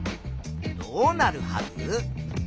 どうなるはず？